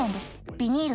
ビニール